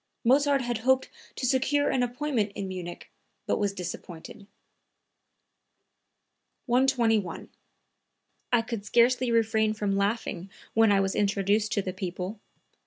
Mozart had hoped to secure an appointment in Munich, but was disappointed.) 121. "I could scarcely refrain from laughing when I was introduced to the people.